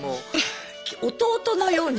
弟のように。